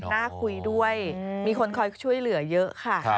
น่าคุยด้วยมีคนคอยช่วยเหลือเยอะค่ะ